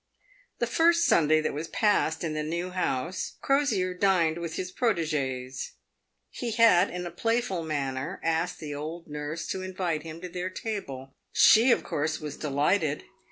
The first Sunday that was passed in the new house, Crosier dined with his protegees. He had in a playful manner asked the old nurse to invite him to their table. She, of course, w T as delighted.